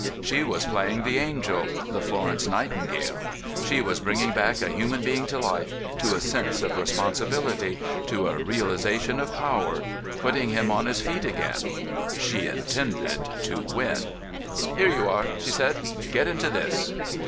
She was playing the angel, the Florence Nightingale. She was bringing back a human being to life, to a sense of responsibility, to a realisation of power, putting him on his feet again. She intended to win. "Here you are," she said. "Get into this."